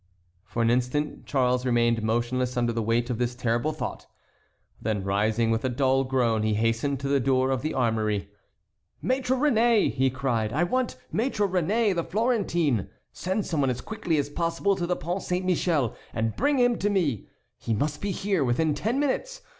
For an instant Charles remained motionless under the weight of this terrible thought. Then, rising with a dull groan, he hastened to the door of the armory. "Maître Réné!" he cried, "I want Maître Réné, the Florentine; send some one as quickly as possible to the Pont Saint Michel and bring him to me! He must be here within ten minutes.